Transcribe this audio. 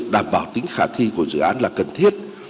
đảm bảo tính khả thi của dự án là cần thiết